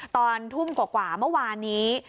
ตอนทุ่มกว่าเมื่อวานนี้